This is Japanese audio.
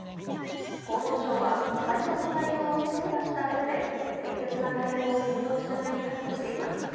厚労省は、回答の内容を精査したうえで、適切な対応を検討してまいりたいとしています。